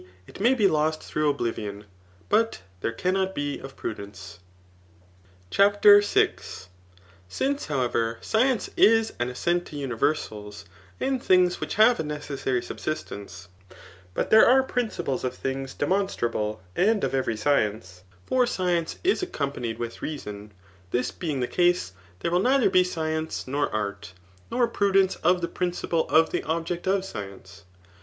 it may be lost through oblivion;3 hut there cannot be of prudence. CHAPTER VI. Since, however, science is an assent to universals and things which have a necessary subsistence, but there are principles of things demonstrable, and of every science ; for science is accompanied with reason; this being the case, there will neither be science, nor art, nor prudence of the principle of the object of science.